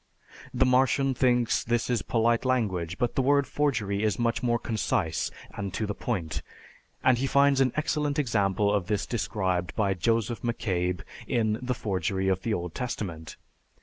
The Martian thinks this is polite language, but the word forgery is much more concise and to the point, and he finds an excellent example of this described by Joseph McCabe in "The Forgery of the Old Testament."